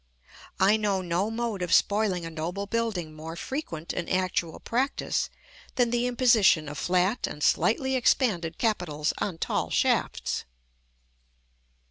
I know no mode of spoiling a noble building more frequent in actual practice than the imposition of flat and slightly expanded capitals on tall shafts.